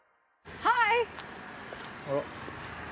はい？